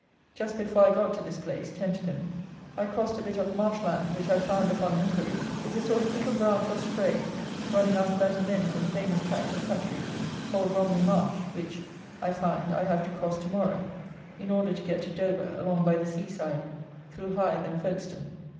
Just before I got to this place (Tenterden), I crossed a bit of marsh land, which I found, upon inquiry, is a sort of little branch or spray running out of that immense and famous tract of country called Romney Marsh, which, I find, I have to cross to morrow, in order to get to Dover, along by the sea side, through Hythe and Folkestone.